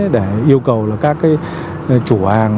để yêu cầu các chủ hàng